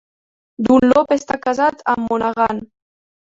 Dunlop està casat amb Monaghan.